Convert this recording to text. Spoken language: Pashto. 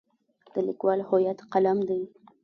د لیکوال هویت قلم دی.